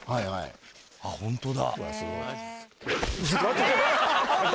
あっホントだ。